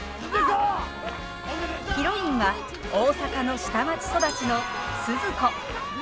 ヒロインは大阪の下町育ちのスズ子。